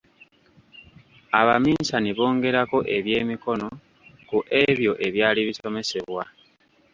Abaminsani bongerako ebyemikono ku ebyo ebyali bisomesebwa.